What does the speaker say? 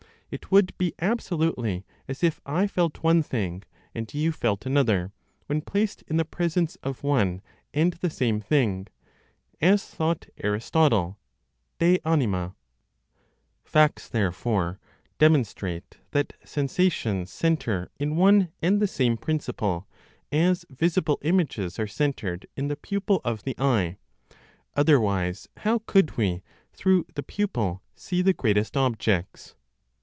It would be absolutely as if I felt one thing, and you felt another, when placed in the presence of one and the same thing (as thought Aristotle, de Anima). Facts, therefore, demonstrate that sensations centre in one and the same principle; as visible images are centred in the pupil of the eye; otherwise how could we, through the pupil, see the greatest objects?